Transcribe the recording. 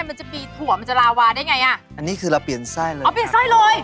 เพราะฉะนั้นเราอย่ารอช้าค่ะเดี๋ยวเราไปเตรียมตัวนะคะจดออกนั้นไว้เลย